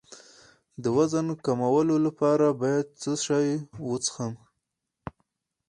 د وزن کمولو لپاره باید څه شی وڅښم؟